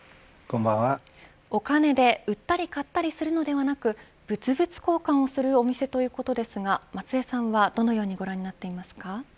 お金で売ったり買ったりするのではなく物々交換をするお店ということですが、松江さんはどのようにご覧になっていますか。